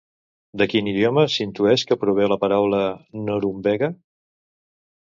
De quin idioma s'intueix que prové la paraula "Norumbega"?